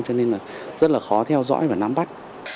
cho nên là rất là khó theo dõi và nắm bắt